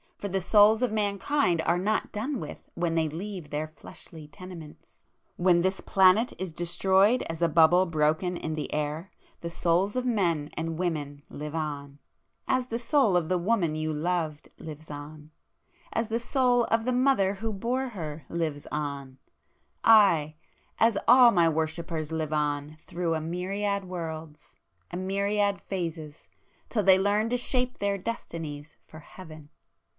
—for the souls of mankind are not done with when they leave their fleshly tenements! When this planet is destroyed as a bubble broken in the air, the souls of men and women live on,—as the soul of the woman you loved lives on,—as the soul of the mother who bore her, lives on,—aye!—as all My worshippers live on through a myriad worlds, a myriad phases, till they learn to shape their destinies for Heaven!